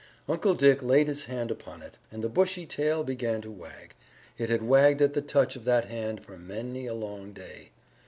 Uncle Dick laid his hand upon it, and the bushy tail began to wag. It had wagged at the touch of that hand for many a long day.